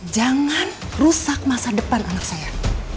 jangan rusak masa depan anak saya